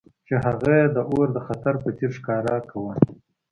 چې هغه یې د اور د خطر په څیر ښکاره کاوه